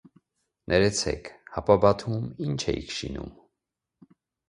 Ներեցեք, հապա Բաթումում ի՞նչ էիք շինում: